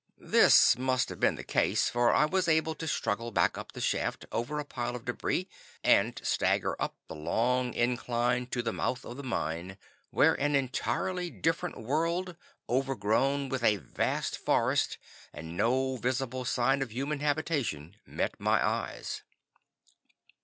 This must have been the case, for I was able to struggle back up the shaft over a pile of debris, and stagger up the long incline to the mouth of the mine, where an entirely different world, overgrown with a vast forest and no visible sign of human habitation, met my eyes.